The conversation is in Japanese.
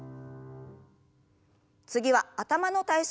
次は頭の体操です。